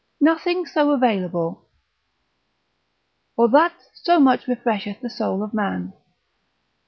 Nothing so available, or that so much refresheth the soul of man.